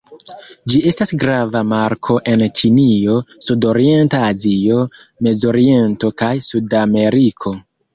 Ĝi estas grava marko en Ĉinio, Sud-Orienta Azio, Mezoriento kaj Sudameriko.